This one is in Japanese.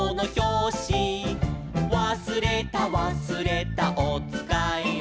「わすれたわすれたおつかいを」